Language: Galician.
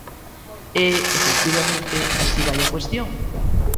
E, efectivamente, así vai a cuestión.